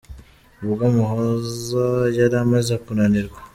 Ubwo Umuhoza yari amaze kunanirwa